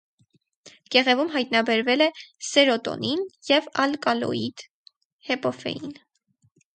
Կեղևում հայտնաբերվել է սերոտոնին և ալկալոիդ հեպոֆեին։